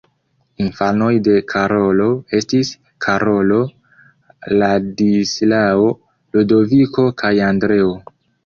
Infanoj de Karolo estis Karolo, Ladislao, Ludoviko kaj Andreo.